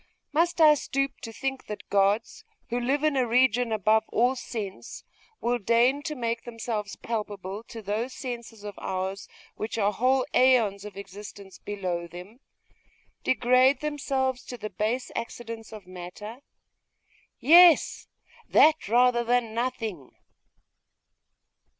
Must I stoop to think that gods, who live in a region above all sense, will deign to make themselves palpable to those senses of ours which are whole aeons of existence below them? Degrade themselves to the base accidents of matter? Yes! That, rather than nothing!....